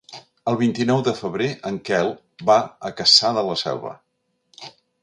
El vint-i-nou de febrer en Quel va a Cassà de la Selva.